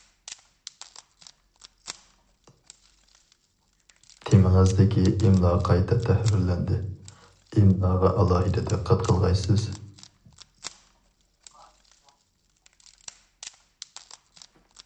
تېمىڭىزدىكى ئىملا قايتا تەھرىرلەندى، ئىملاغا ئالاھىدە دىققەت قىلغايسىز!